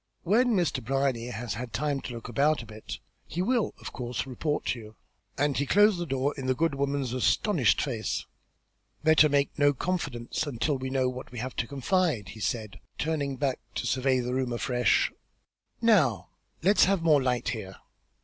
"When Mr. Brierly has had time to look about a bit he will of course report to you." And he closed the door in the good woman's astonished face. "Better make no confidants until we know what we have to confide," he said, turning back to survey the room afresh. "Now let us have more light here."